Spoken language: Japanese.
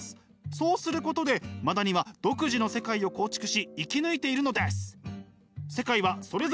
そうすることでマダニは独自の世界を構築し生き抜いているのです。